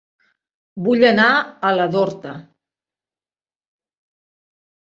Vull anar a la d'Horta.